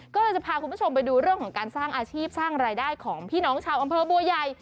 ก็เลยจะพาคุณผู้ชมไปดูเรื่องของการสร้างอาชีพสร้างรายได้ของพี่น้องชาวอำเภอบัวใหญ่